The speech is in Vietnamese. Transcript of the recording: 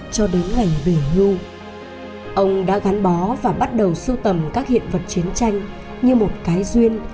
cho đến ngày về nhu ông đã gắn bó và bắt đầu sưu tầm các hiện vật chiến tranh như một cái duyên